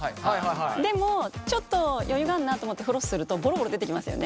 でもちょっと余裕があるなと思ってフロスするとボロボロ出てきますよね？